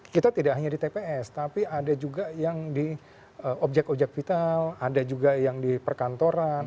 kita tidak hanya di tps tapi ada juga yang di objek objek vital ada juga yang di perkantoran